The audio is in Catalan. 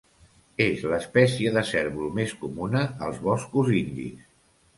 És l'espècie de cérvol més comuna als boscos indis.